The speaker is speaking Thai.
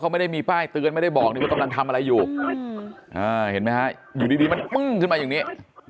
ไม่มีป้ายเตือนไม่ได้บอกว่าต้องทำอะไรอยู่เห็นไหมคะอยู่ดีมันขึ้นมาอย่างนี้